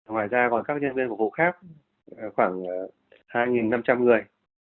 ngoài ra còn các nhân viên của phố khác khoảng hai năm trăm linh người